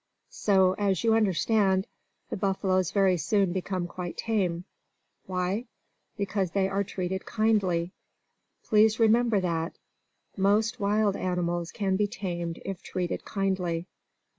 So, as you understand, the buffaloes very soon become quite tame. Why? Because they are treated kindly. Please remember that. _Most wild animals can be tamed if treated kindly.